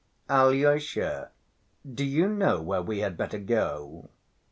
"Alyosha, do you know where we had better go?"